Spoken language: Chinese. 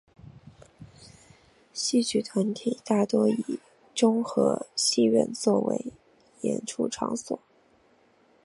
戏曲团体大多以中和戏院作为演出场所。